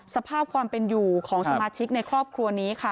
สภาพความเป็นอยู่ของสมาชิกในครอบครัวนี้ค่ะ